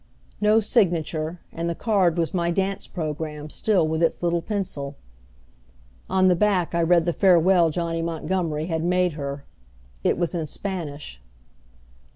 No signature, and the card was my dance program still with its little pencil. On the back I read the farewell Johnny Montgomery had made her. It was in Spanish.